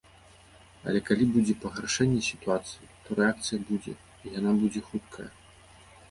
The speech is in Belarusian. Але калі будзе пагаршэнне сітуацыі, то рэакцыя будзе, і яна будзе хуткая.